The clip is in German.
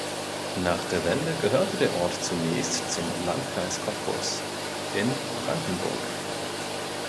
Nach der Wende gehörte der Ort zunächst zum "Landkreis Cottbus" in Brandenburg.